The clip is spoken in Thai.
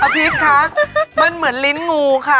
พิษคะมันเหมือนลิ้นงูค่ะ